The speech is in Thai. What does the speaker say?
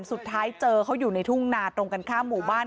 สุดท้ายเจอเขาอยู่ในทุ่งนาตรงกันข้ามหมู่บ้าน